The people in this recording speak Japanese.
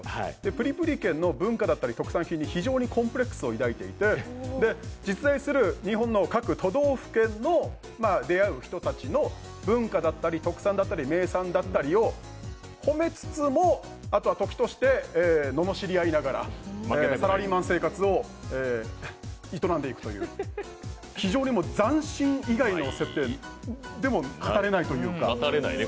ぷりぷり県の文化だったり特産品に非常にコンプレクスを抱いていて、実在する日本の各都道府県の出会う人たちの文化だったり特産だったり名産だったりを褒めつつも、あとは時としてののしり合いながらサラリーマン生活を営んでいくという、非常に斬新以外の設定でも語れないというか。